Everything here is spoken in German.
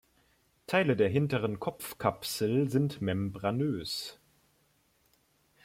Teile der hinteren Kopfkapsel sind membranös.